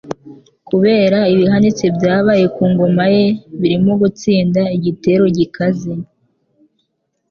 kubera ibihanitse byabaye ku ngoma ye birimo gutsinda igitero gikaze